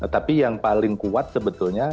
tapi yang paling kuat sebetulnya